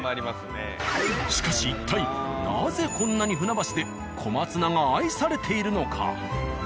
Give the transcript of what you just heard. しかし一体なぜこんなに船橋で小松菜が愛されているのか。